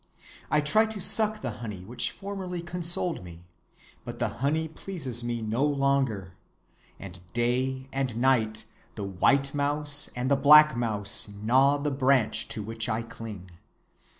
I try to suck the honey which formerly consoled me; but the honey pleases me no longer, and day and night the white mouse and the black mouse gnaw the branch to which I cling.